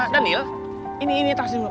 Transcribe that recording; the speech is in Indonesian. danil ini ini taruh sini dulu pak